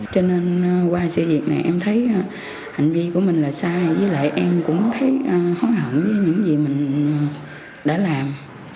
cho nên qua sự việc này em thấy hành vi của mình là sai với lại em cũng thấy khó hẳn với những gì mình đã làm